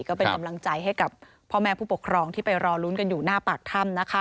ก็เป็นกำลังใจให้กับพ่อแม่ผู้ปกครองที่ไปรอลุ้นกันอยู่หน้าปากถ้ำนะคะ